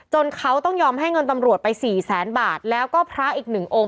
เขาต้องยอมให้เงินตำรวจไปสี่แสนบาทแล้วก็พระอีกหนึ่งองค์